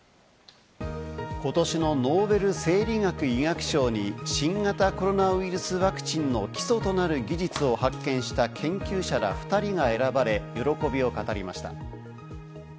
ことしのノーベル生理学・医学賞に、新型コロナウイルスワクチンの基礎となる技術を発見した研究者ら２人が選ばれ、喜びを語りました。